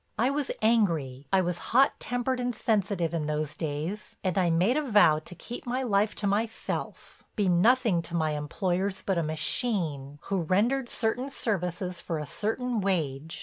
I was angry—I was hot tempered and sensitive in those days and I made a vow to keep my life to myself, be nothing to my employers but a machine who rendered certain services for a certain wage.